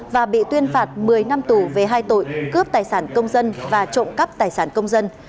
và bị tuyên phạt một mươi năm tù về hai tội cướp tài sản công dân và trộm cắp tài sản công dân